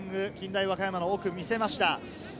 近大和歌山の奥、見せました。